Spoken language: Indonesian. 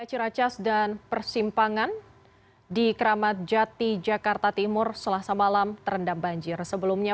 ciracas dan persimpangan di keramat jati jakarta timur selasa malam terendam banjir sebelumnya